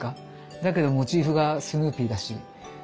だけどモチーフがスヌーピーだし。